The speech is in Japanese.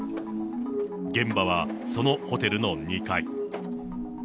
現場はそのホテルの２階。